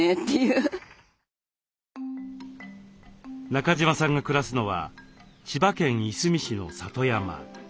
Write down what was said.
中島さんが暮らすのは千葉県いすみ市の里山。